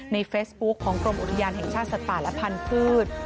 เฟซบุ๊คของกรมอุทยานแห่งชาติสัตว์ป่าและพันธุ์